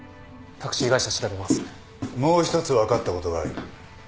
もう一つ分かったことがある。